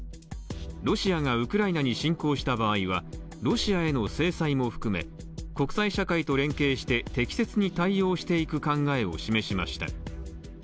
ロシアがウクライナに侵攻した場合は、ロシアへの制裁も含め国際社会と連携して適切に対応していく考えを示しました。